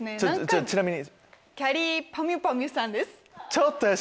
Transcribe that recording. ちなみに。